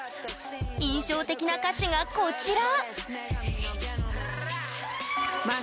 印象的な歌詞がこちら